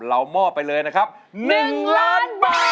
เรามอบไปเลยนะครับ๑ล้านบาท